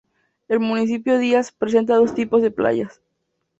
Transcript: El municipio Díaz, presenta dos tipos de playas.